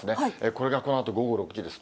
これがこのあと午後６時です。